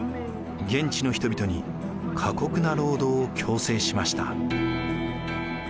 現地の人々に過酷な労働を強制しました。